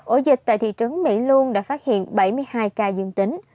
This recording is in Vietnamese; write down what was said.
ổ dịch tại thị trấn mỹ luôn đã phát hiện bảy mươi hai ca dương tính